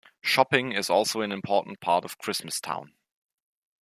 Shopping is also an important part of Christmas Town.